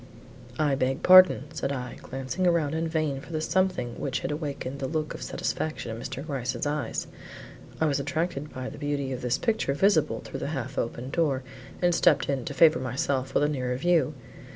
"I beg pardon," said I, glancing around in vain for the something which had awakened that look of satisfaction in Mr. Gryce's eyes. "I was attracted by the beauty of this picture visible through the half open door and stepped in to favor myself with a nearer view.